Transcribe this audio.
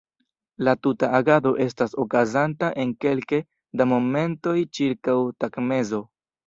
La tuta agado estas okazanta en kelke da momentoj ĉirkaŭ tagmezo.